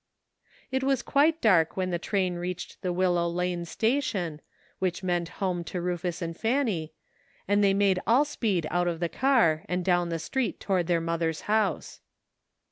It was quite dark when the train reached the Willow Lane Station, which meant home to Rufus and Fanny, and they made all speed out of the car and down the street toward their mother's house.